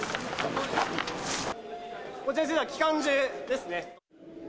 こちらは機関銃ですね。